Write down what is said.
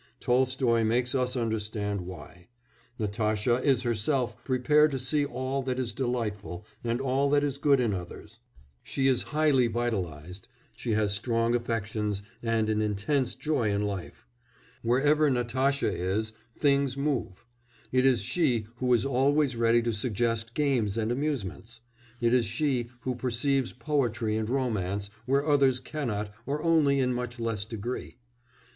Tolstoy makes us understand why. Natasha is herself prepared to see all that is delightful and all that is good in others; she is highly vitalised; she has strong affections, and an intense joy in life; wherever Natasha is things move; it is she who is always ready to suggest games and amusements; it is she who perceives poetry and romance where others cannot or only in much less degree.